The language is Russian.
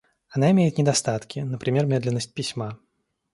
Она имеет недостатки, например медленность письма.